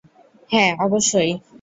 হ্যাঁঁ, অবশ্যই।